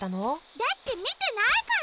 だってみてないから。